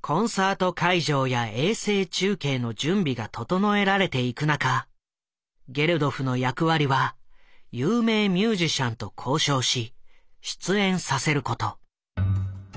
コンサート会場や衛星中継の準備が整えられていく中ゲルドフの役割は有名ミュージシャンと交渉し出演させること。